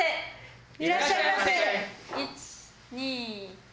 １２３。